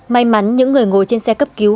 may mắn những người ngồi trên xe cấp cứu